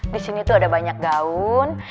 disini tuh ada banyak gaun